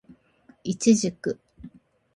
イチジク